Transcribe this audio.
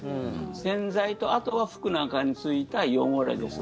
洗剤と、あとは服なんかについた汚れです。